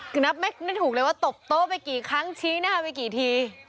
คือนับไม่ถูกเลยว่าตบโต๊ะไปกี่ครั้งชี้หน้าไปกี่ที